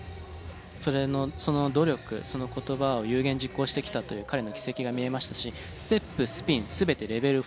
その努力その言葉を有言実行してきたという彼の軌跡が見れましたしステップスピン全てレベル４。